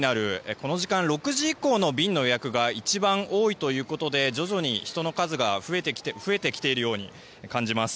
この時間６時以降の便の予約が一番多いということで徐々に人の数が増えてきているように感じます。